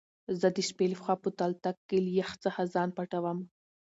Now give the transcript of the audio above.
زه دشبی له خوا په تلتک کی له يخ ځخه ځان پټوم